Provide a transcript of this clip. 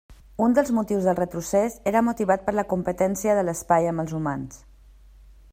Un dels motius del retrocés era motivat per la competència de l'espai amb els humans.